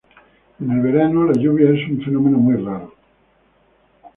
En el verano la lluvia es un fenómeno muy raro.